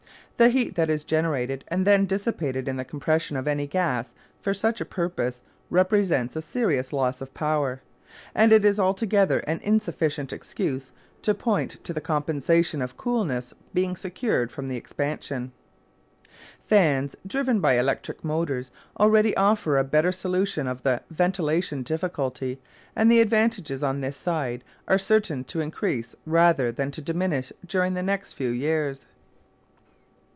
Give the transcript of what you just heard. The heat that is generated and then dissipated in the compression of any gas for such a purpose represents a very serious loss of power; and it is altogether an insufficient excuse to point to the compensation of coolness being secured from the expansion. Fans driven by electric motors already offer a better solution of the ventilation difficulty, and the advantages on this side are certain to increase rather than to diminish during the next few years.